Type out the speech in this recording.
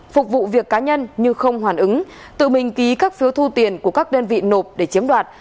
phục vụ việc cá nhân nhưng không hoàn ứng tự mình ký các phiếu thu tiền của các đơn vị nộp để chiếm đoạt